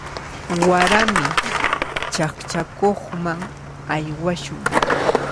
Warami chaqchakuqman aywashun.